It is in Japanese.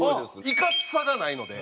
いかつさがないので。